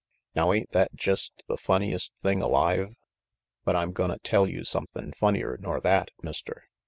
"Now ain't that jest the funniest thing alive? But I'm gonna tell you somethin' funnier nor that, Mister.